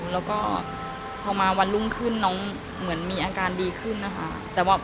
แล้วก็พอมาวันรุ่งขึ้นน้องเหมือนมีอาการดีขึ้นนะคะ